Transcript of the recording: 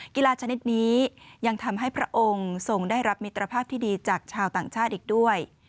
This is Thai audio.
กีฬาชนิดนี้ยังทำให้พระองค์ทรงได้รับมิตรภาพที่ดีจากชาวต่างชาติอีกด้วย